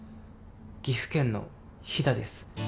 岐阜県の飛騨です